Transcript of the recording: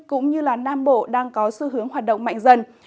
cũng như nam bộ đang có xu hướng hoạt động mạnh dần